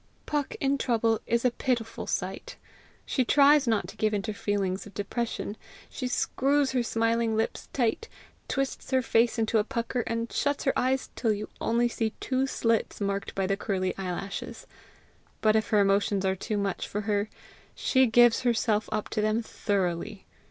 Puck in trouble is a pitiful sight. She tries not to give in to feelings of depression. She screws her smiling lips tight, twists her face into a pucker, and shuts her eyes till you only see two slits marked by the curly eyelashes. But if her emotions are too much for her she gives herself up to them thoroughly.